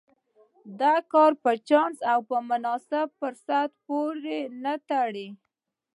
دا کار په چانس او مناسب فرصت پورې نه تړي.